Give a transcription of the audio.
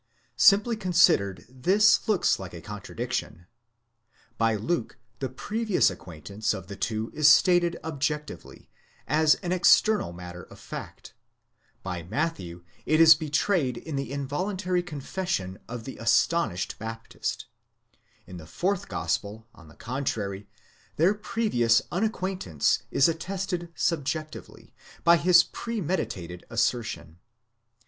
Simply considered, this looks like a contradiction. By Luke, the previous acquaintance of the two is stated objectively, as an external matter of fact; by Matthew, it is betrayed in the involuntary confession of the astonished Baptist ; in the fourth Gospel, on the contrary, their previous unacquaintance is attested subjectively, by his premeditated assertion.